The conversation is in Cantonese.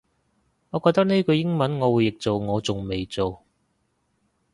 我覺得呢句英文我會譯做我仲未做